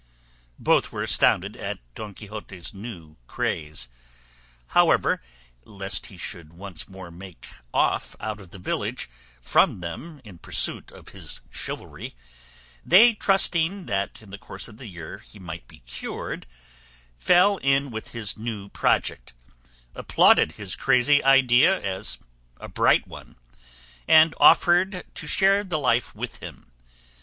Both were astounded at Don Quixote's new craze; however, lest he should once more make off out of the village from them in pursuit of his chivalry, they trusting that in the course of the year he might be cured, fell in with his new project, applauded his crazy idea as a bright one, and offered to share the life with him.